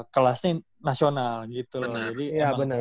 kelasnya nasional gitu loh